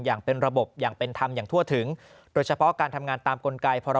อย่างเป็นระบบอย่างเป็นธรรมอย่างทั่วถึงโดยเฉพาะการทำงานตามกลไกพร